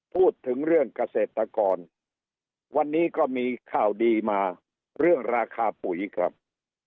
พูดถึงเรื่องเกษตรกรวันนี้ก็มีข่าวดีมาเรื่องราคาปุ๋ยครับ